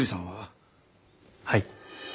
はい。